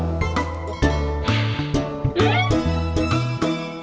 terus jangan lupa dihembusin